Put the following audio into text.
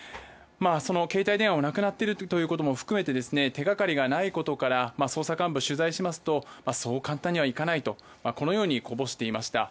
携帯電話もなくなっているということも含めて手がかりがないことから捜査幹部を取材しますとそう簡単にはいかないとこぼしていました。